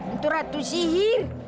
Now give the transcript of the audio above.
itu ratu sihir